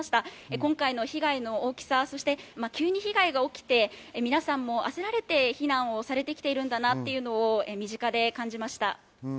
今回の被害の大きさ、また急に被害が起きて、みなさん焦られて非難をされてきてるんだなというのを身近で感じました。